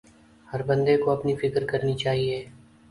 ہر بندے کو اپنی فکر کرنی چاہئے